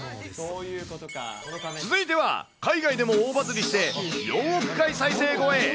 続いては、海外でも大バズりして４億回再生超え。